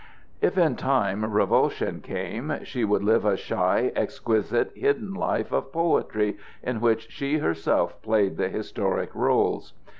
If in time revulsion came, she would live a shy, exquisite, hidden life of poetry in which she herself played the historic roles.